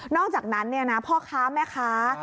อกจากนั้นพ่อค้าแม่ค้า